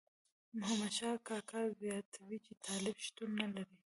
محمد شاه کاکا زیاتوي چې طالب شتون نه لري.